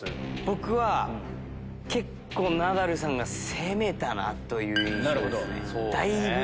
僕は結構ナダルさんが攻めたなという印象ですねだいぶ。